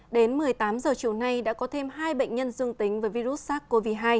đến một mươi tám h chiều nay đã có thêm hai bệnh nhân dương tính với virus sars cov hai